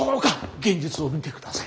現実を見てください。